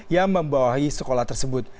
yang membawahi sekolah tersebut